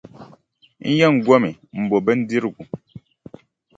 N yɛn gomi m-bo bindirigu.